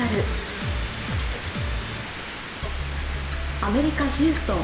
アメリカ・ヒューストン。